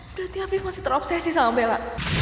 berarti hafi masih terobsesi sama bella